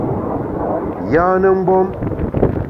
Yâne mgbom !